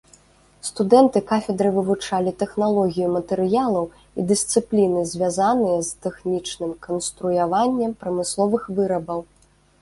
Студэнты кафедры вывучалі тэхналогію матэрыялаў і дысцыпліны звязаныя з тэхнічным канструяваннем прамысловых вырабаў.